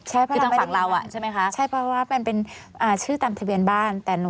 ใช่เพราะว่าเป็นชื่อตามทะเบียนบ้าน